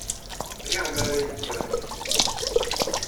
Riɣ mi ara iliɣ yid-went.